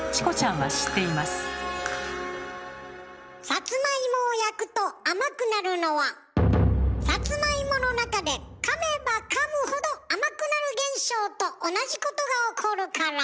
サツマイモを焼くと甘くなるのはサツマイモの中で「かめばかむほど甘くなる現象」と同じことが起こるから。